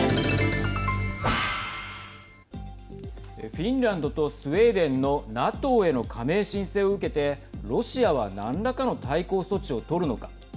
フィンランドとスウェーデンのＮＡＴＯへの加盟申請を受けてロシアは何らかの対抗措置を取るのか。